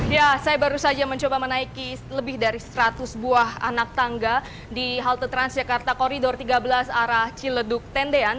ya saya baru saja mencoba menaiki lebih dari seratus buah anak tangga di halte transjakarta koridor tiga belas arah ciledug tendean